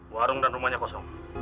warung dan rumahnya kosong